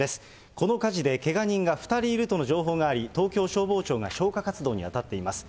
この火事でけが人が２人いるとの情報があり、東京消防庁が消火活動に当たっています。